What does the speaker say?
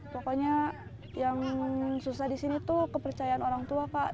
pokoknya yang susah di sini tuh kepercayaan orang tua kak